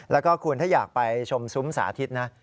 แล้วก็คุณถ้าอยากไปชมซุ้มสาธิตนะ